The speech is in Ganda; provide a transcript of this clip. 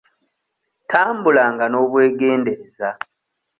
Tambulanga n'obwegendereza.